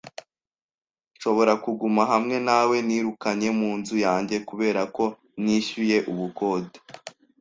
Nshobora kuguma hamwe nawe? Nirukanye mu nzu yanjye kubera ko ntishyuye ubukode.